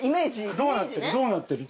どうなってる？